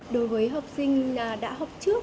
đối với học sinh đã học trước